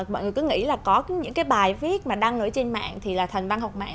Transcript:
mọi người cứ nghĩ là có những cái bài viết mà đăng ở trên mạng thì là thành văn học mạng